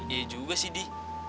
iya juga sih di